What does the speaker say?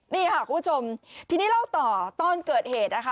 นี่ค่ะคุณผู้ชมทีนี้เล่าต่อตอนเกิดเหตุนะคะ